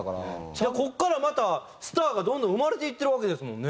ここからまたスターがどんどん生まれていってるわけですもんね。